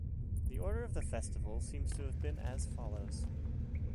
The order of the festival seems to have been as follows.